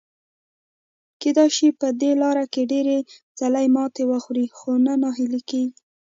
کېدای شي په دې لاره کې ډېر ځلي ماتې وخوري، خو نه ناهیلي کیږي.